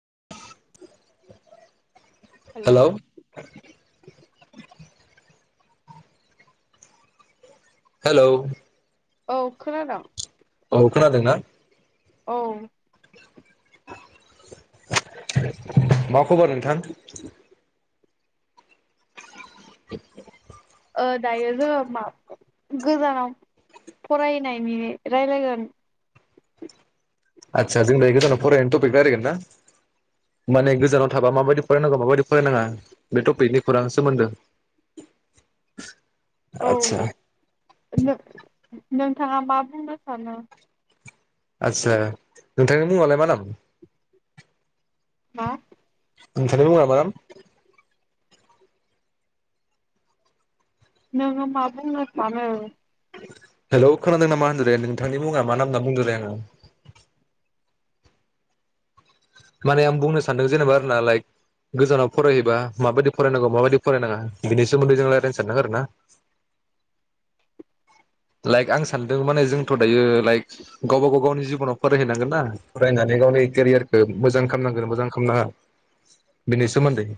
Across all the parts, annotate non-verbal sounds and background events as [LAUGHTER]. [INAUDIBLE] Hello hello औ खोनादोंं? औ खोनादोंना? औ [INAUDIBLE] मा खबर नोंथां? [INAUDIBLE] ओ दायो जोङो मा गोजानाव फरायनायनि रायलायगोन आदसा जोंनि दायो गोजानाव फरायनायनि टपिक रायलायगोन ना माने गोजानाव थाबा माबायदि फरायनांगौ माबायदि फरायनाङा बे टपिकनिखौ खौरां सोमोन्दो औ आदसा नो नोंथाङा मा बुंनो सानो आतसा नोंथांनि मुङालाय मा नाम? मा? नोंथांनि मुङा मा नाम? नोङो मा बुंनो सानो? हेलौ खोनादों नामा होन्दों रे नोंथांनि मुङा मा नाम होनना बुंदों रे आङो। माने आं बुंनो सानदों जेनेबा आरोना लाइक गोजानाव फरायहैबा माबायदि फरायनांगौ माबायदि फरायनाङा बिनि सोमोन्दै जों रायज्लायनो सानदों आरो ना। लाइक आं सानदों माने जोंथ' दायो लाइक गावबा गाव गावनि जिबनाव फरायहैनांगोनना फरायनानै गावनि केरियारखौ मोजां खालामनांगोन मोजां खालामनाङा बेनि सोमोन्दै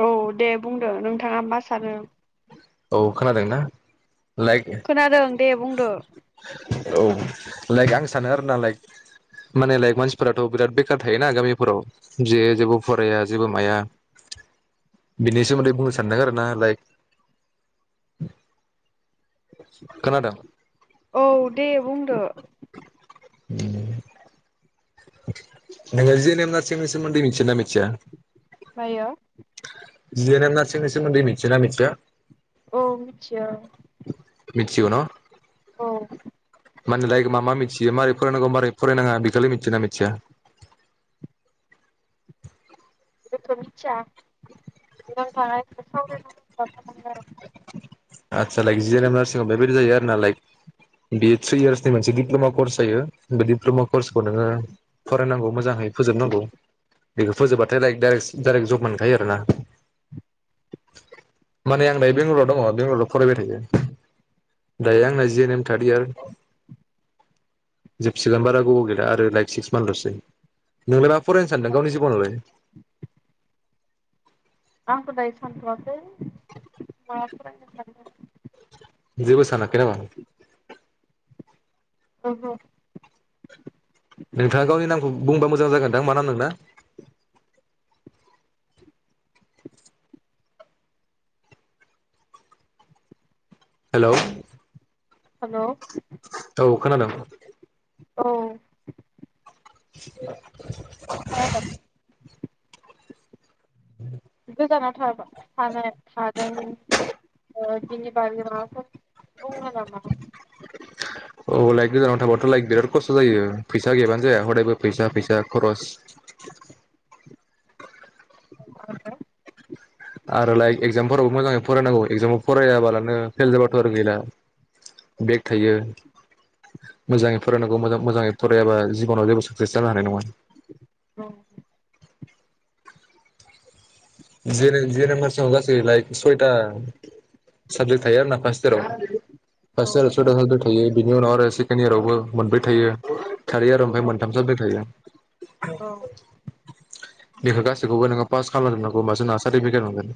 औ दे बुंदो नोंथाङा मा सानो? औ खोनादोंना? लायक खोनादों दे बुंदो औ लाइक आं सानो आरोना लाइक माने लाइक मानसिफोराथ' बिराद बेखार थायोना गामिफोराव जे जेबो फराया जेबो माया बिनि सोमोन्दै बुंनो सानदों आरोना लाइक खोनादों। औ दे बुंदो। ओम नोङो [UNINTELLIGIBLE] सोमोनदै मिथियोना मिथिया? दायो [UNINTELLIGIBLE] मिथि ना मिथिया? औ मिथियो। मिथिगौ न? औ। माने लाय मा मा मिथियो मारै फरायनांगौ मारै फरायनाङा बेखौलाय मिथियो ना मिथिया? बेथ' मिथिया नोंथाङा बेखौ सावरायनाङा [UNINTELLIGIBLE] आदसा लाइक जि एन एल नार्सिंव बेबायदि जायो आरो ना लाइक बे थ्रि इयार्सनि अब्ला मोनसे दिप्ल'मा कर्स जायो बे डिप्ल'मा कर्सखौ नोङो फरायनांगौ मोजाङै फोजोबनांगौ बेखौ फोजोबबाथाय लाइक डाइरेक्ट जब मोनखायो आरो ना माने आं दायो बेंगलराव दङ बेंगलराव फरायबाय थायो दायो आंना G N M third year जोबसिगोन बारा गोबाव गैला आरो लाइक सिक्स मान्थल'सै नोंलाय मा फरायनो सानदों गावनि जिबनावलाय? आंखौ दायो सानथ'वाखै मा फरायनो [UNINTELLIGIBLE] जेबो साना? [UNINTELLIGIBLE] ओहो नोंथाङा गावनि नामखौ बुंबा मोजां जागोनदां [UNINTELLIGIBLE] हेलौ हेल' औ खोनादों। औ [INAUDIBLE] [UNINTELLIGIBLE] गोजानाव थाबा थाने थादों बिनि बारै माबाफोर दङ नामा? अ लाइक गोजानाव थांबाथ' लाइक बिराद खस्थ' जायो फैसा गैबानो जाया हदायबो फैसा फैसा खरस। [INAUDIBLE] आरो लाइक इगजामफोरावबो मोजाङै फरायनांगौ एगजामाव फरायाबालानो फेल जाबाथ' आरो गैला बेक थायो मोजाङै फरायनांगौ मोजाङै फरायाबा जिबनाव जेबो साक्सेस जानो हानाय नङा। औ [INAUDIBLE] गासै लाइक सयथा साबजेक्ट थायो आर ना फार्स्ट इयाराव। औ [UNINTELLIGIBLE] बिनि उनाव आरो सेकेण्ड इयारावबो मोनब्रै थायो। खारि आरो ओमफ्राय मोनथाम साबजेक थायो। औ बेखौ गासैखौबो नोंङो पास खालाम जोबो होबासो नोङो चार्टिफिकेट मोनगोन।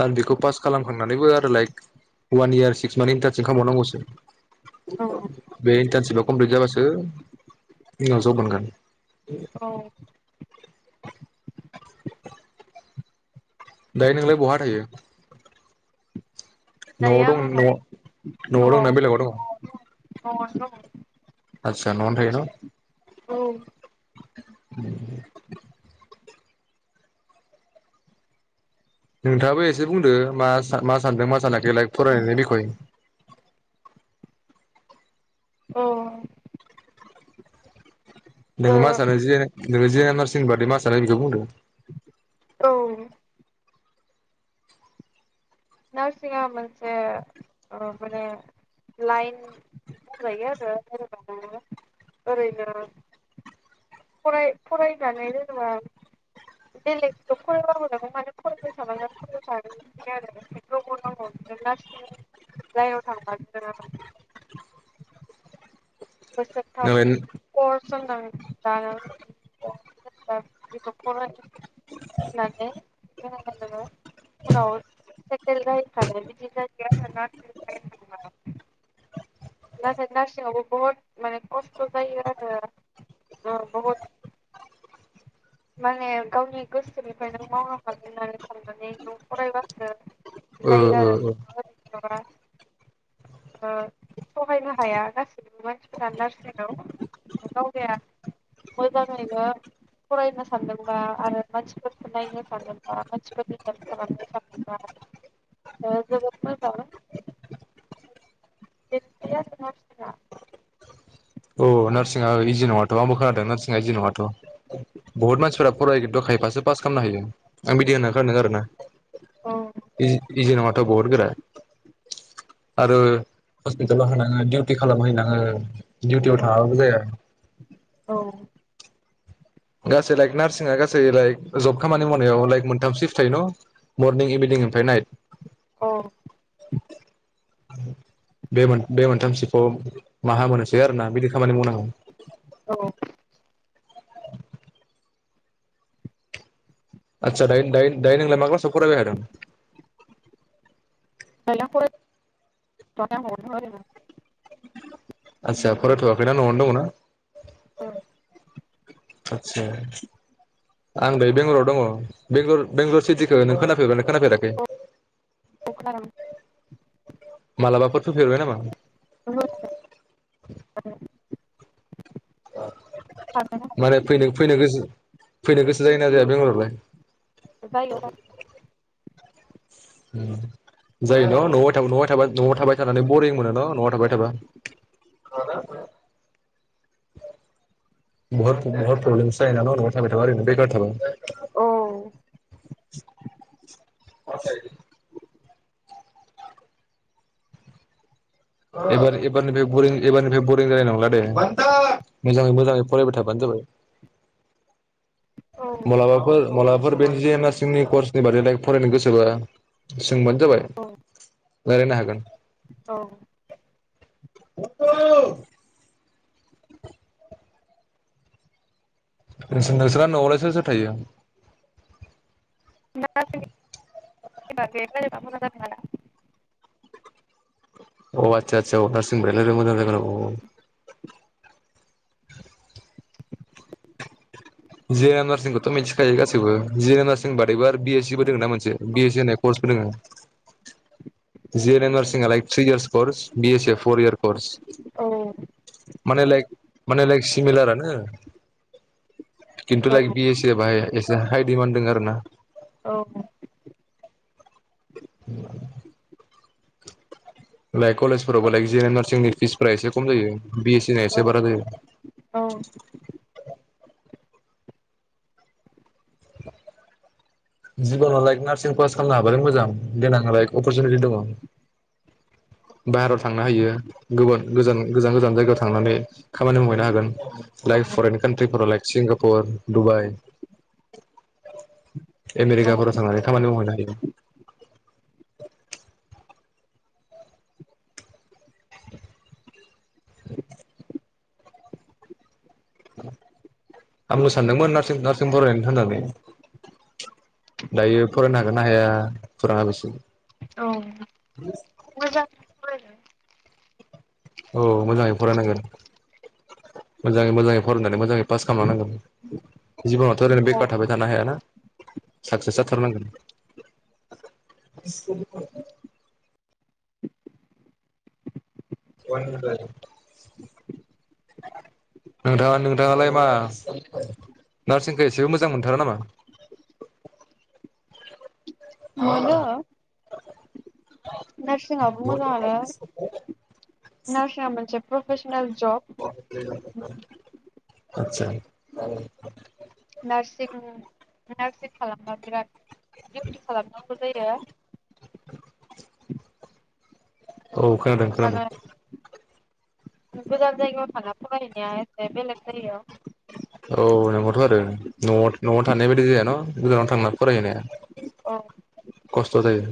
आरो बेखौ पास खालामखांनानैबो आरो like one year six month internship खालामबावनांगौसो। औ बे इनतानसिबाव कमप्लिट जाबासो उनाव जब मोनगोन। औ दायो नोंलाय बहा थायो? न'आव दायो आं दं न' न'आव दंना बेलेगाव दङ। औ आतसा नयावनो थायो न। औ [INAUDIBLE] [INAUDIBLE] नोंथाङाबो एसे बुंदो मा मा? सानदों मा सानाखै लाइक फरायनायनायनि [INAUDIBLE] अ नोंङो मा सानो [INAUDIBLE] नोङो जे नारसिं बादै मासानाय बेखौ बुंदों। औ नार्सिंआ मोनसे माने लाइन बुंजायो आरो ओबानो ओरैनो। फराय फरायनानै जेनेबा बेलेगखौ फरायब मान फरायबाय थानांगोन फबाय थागोन आरोनांगौ नार्सिनि लाइनाव थांंबा [UNINTELLIGIBLE] सम थाङो। द [UNINTELLIGIBLE] माने एदि जङ [INAUDIBLE] औ ल थ ज ग [INAUDIBLE] नाथाय नारसिंआवबो बहुद माने खस्थ' जायो आरो बहुद माने गावनि गोसोनिफ्राय नों मावनो हागोन होननानै साननानै नों फरायबासो। औ औ औ सहायनो हाया गासैबो मानसिफोरानी नारसिननायखौ दावगाया मोजाङैनो। फरायनो सानदोंबा आरो मानसिफोरखौ नायनो सानदोंबा मानसिफोर बिडाम खालामनो सानदोंबा जोबोद मोजां दिन्थिया नोंहासिना ओ औ नार्सिंआ इजि नङाथ' आंबो खोनादों नार्सिंआ इजि नङाथ' बहुत मानसिफोरा फरायगथ'खायोबासो पास खालामनो हायो आं बिदि होनना खोनादों आरोना। औ इ इजि नंडा थ जोबोद गोरा। आरो हस्पिटेलाव हीना [INAUDIBLE] खालामहैनाङो आरो औ थाङाबाबो जाया। गासै लाइक नार्सिंआ गासै लाइक जब खामानि मावनायाव लाइक मोनथामसो फिथाइ न'। मर्निं इभिनिं ओमफ्राय नाइट औ बे मोन बे मोनथाम सिखौ‌ माहामोनोसै आरो ना। बिदि खामानि मावनांगौ। औ आतसा दायो नोंलाय माब्ला सायाव फरायबाय थादों? [UNINTELLIGIBLE] आस्सा फरायथ'वाखैना न'आवनो दङना? औ आदसा आं बे बेंगलराव दङ बेंल बेंगलर सिटिखौ नों खोनाफेरबाय नों खोनाफेराखै? अ खीनादों मालाबाफोर फैफेरबाय नामा? माने फैनो फैनो गोसो? फैनो गोसो जायोना जाया बेंगलरलाय? [UNINTELLIGIBLE] जायो न' न'आव थाबाय ' थाबा न'आव थाबाय थानानै बरिं मोनो न' न'आव थाबाय थाबा बहत बहुत प्रब्लेमस जायोनाल' न'आव थाबाय था ओरैनो बेखार थाबा। औ [INAUDIBLE] [UNINTELLIGIBLE] एबार एबारनिफ्राय बरिं एबारनिफ्राय बरिं जानाय नंला दे मोजाङै मोजाङै फरायबाय थाबानो जाबाय। औ मालाबाफोर मालाबाफोर बे जे नारसिंनि कर्स‌ फैबा दायै फरायनो गोसोबा बुंबानो जाबाय। रायलायनो हागोन। औ [UNINTELLIGIBLE] नों नोंसोरना न'आवलाय सोर सोर थायो? [UNINTELLIGIBLE] अ आतसा आतसा नारसिं [UNINTELLIGIBLE] जि एन एम नार्सिंखौथ' मिथिखायो गासैबो जि एन ए नार्सिं बादैबो बिएस सिबो दङ ना मोनसे बिएस सि होननाय कर्सबो दोङो। जि एन ए नार्सिंआ लाइक थ्रि इयसर्स कर्स बिएसा‌ पर‌ इयर्स कर्स औ माने लाइक माने लाइक सिमिलारानो खेन्थु औ लाइक‌ बिएस बाय एसे हाइ दिडमान दं आरो ना। औ [UNINTELLIGIBLE] लाइक औ कलेजफोरावबो लाक जिएन एम नार्सिंनि फिसफोरा एसे खम जायो बिएस सि नि एसे बारा औ जायो। जिबनाव लाइक नार्सिं पास खालामनो हाबालाय मोजां देनां लाइक अपरसुनिटि दङ बाहेरायाव थांनो हायो गुबुन गोजान गोजान जायगायाव थांनानै खामानि मावहैनो हागोन। औ लाइक फरेन कान्ट्रिफोराव लाइक सिंगापुर दुबाइ- आमेरिकाफोराव थांनानै खामानि मावहैनो हायो। [UNINTELLIGIBLE] आंनो सानदोंमोन नार्सिं फरायनो होननानै दायो फरायनो हागोन ना हाया खौरांङा बेसो औ मोजां फराय औ मोजाङै फरायनांगोन मोजाङै मोजाङै फरायनानै मोजाङै पास खालामलनांगोन जिबनावथ' ओरैनो औ बेखार थाबाय थानो हायाना। साक्सेस जाथारनांगोन। [UNINTELLIGIBLE] नोंथाङालाय मा नार्सिंखौ एसेबो मोजां मोनथारा नामा मोनो नोरसिंआबो मोजांङानो नारसिङाबो‌मोनसे प्रफेसनेल ज' आतसा नारसिं नार्सिं खालामबा बिराद दिउटि खालामांगौ। फैदो [UNINTELLIGIBLE] औ खोनादों खोनादों। आरो गोजान जायगायाव थाङा फरायनाया एसे बेलेग जायो। औ नोंगौथ' आरो न'आव न'आव थानाय बायदि जायान' गोजानाव थांना फरायहैनाया औ खस्थ' जायो।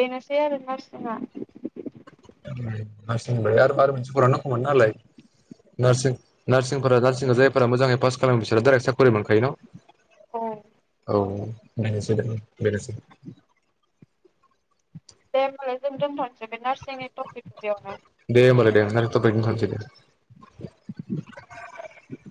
बेनोसै आरो नारसिङा ओमफ्राय [UNINTELLIGIBLE] मानसि बाय आरो मायो मोनसे बरनां गौ नालाय नारसिं नारसिं जायफोरा मोजाङै पास खालामो बिसोर डाइरेक्ट सा खरि मोनखायो न' औ बेनोसै बेनोसै देमालाय जों दोनथ दे होमबा लाय दे टपिकनो दोनथसै दे। [UNINTELLIGIBLE]